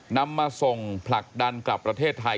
นำมาส่งผลักดันกลับประเทศไทย